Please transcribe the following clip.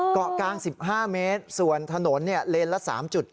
เกาะกลาง๑๕เมตรส่วนถนนเลนละ๓๙